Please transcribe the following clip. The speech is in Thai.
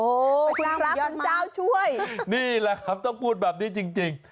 โอ้โหคุณพระคุณเจ้าช่วยนี่แหละครับต้องพูดแบบนี้จริง